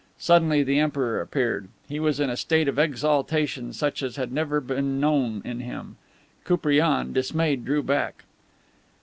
Suddenly the Emperor appeared. He was in a state of exaltation such as had never been known in him. Koupriane, dismayed, drew back.